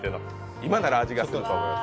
今なら味がすると思います。